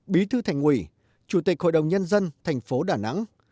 bí thư thành ủy chủ tịch hội đồng nhân dân thành phố đà nẵng